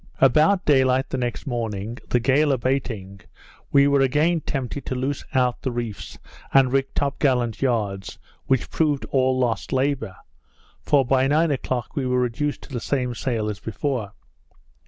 About day light, the next morning, the gale abating, we were again tempted to loose out the reefs, and rig top gallant yards, which proved all lost labour; for, by nine o'clock, we were reduced to the same sail as before.